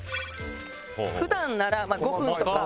普段ならまあ５分とか。